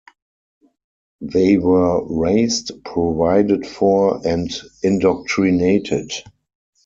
They were raised, provided for, and indoctrinated.